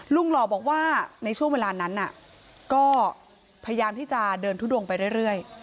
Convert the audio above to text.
หล่อบอกว่าในช่วงเวลานั้นก็พยายามที่จะเดินทุดงไปเรื่อย